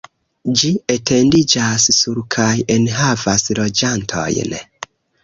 Ĝi etendiĝas sur kaj enhavas loĝantojn.